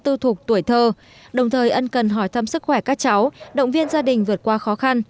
thuộc tuổi thơ đồng thời ân cần hỏi thăm sức khỏe các cháu động viên gia đình vượt qua khó khăn